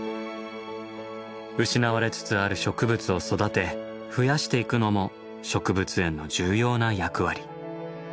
失われつつある植物を育て増やしていくのも植物園の重要な役割。